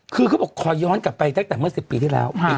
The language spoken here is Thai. คือเขาบอกขอย้อนกลับไปตั้งแต่เมื่อ๑๐ปีที่แล้ว